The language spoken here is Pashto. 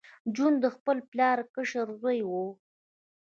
جون د خپل پلار کشر زوی و